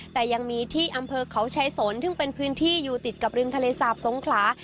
แต่ยังมีที่อำเภอเขาชายสนซึ่งเป็นพื้นที่อยู่ติดกับริมทะเลสาบสงขลา